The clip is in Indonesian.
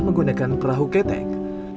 menggunakan perahu ketek